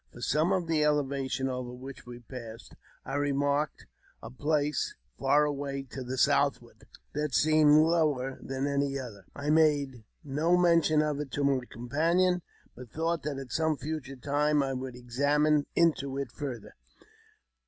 From some of the elevations over which we passed I remarked a place far away to the southward that seemed lower than any other. I made no mention of it to my companion, but thought that at 424 AUTOBIOGBAPHY OF some future time I would examine into it farther.